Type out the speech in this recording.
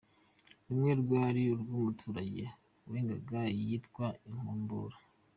Rumwe rwari urw’umuturage wengaga iyitwa Inkumburwa.